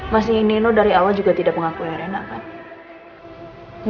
maksudnya nino dari awal juga tidak mengakui rena kan